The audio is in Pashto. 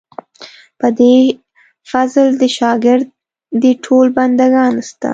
په دې فضل دې شاګر دي ټول بندګان ستا.